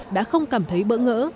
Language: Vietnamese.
đã không cảm thấy bỡ ngỡ